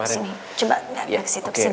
sini coba gak ke situ ke sini